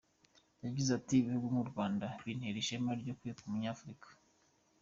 Yagize ati “Ibihugu nk’u Rwanda bintera ishema ryo kwitwa umunyafurika.